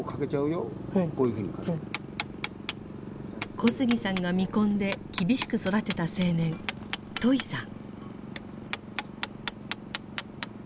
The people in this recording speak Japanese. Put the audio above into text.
小杉さんが見込んで厳しく育てた青年トイさん。